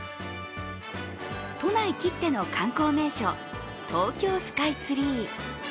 都内きっての観光名所、東京スカイツリー。